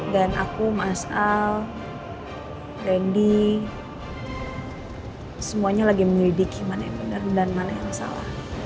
dan aku mas al dendy semuanya lagi menyelidiki mana yang benar dan mana yang salah